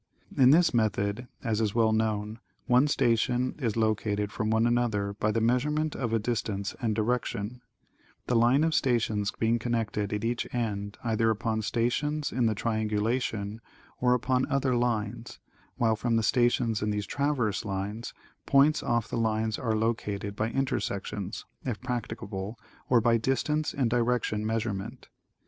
In this method, as is well known, one station is located from another by the measurement of a distance and direction, the line of stations being connected at each end either upon stations in the triangulation or upon other lines, while from the stations in these traverse lines, points off the lines are located by intersections, if practicable, or by distance and direction measurement.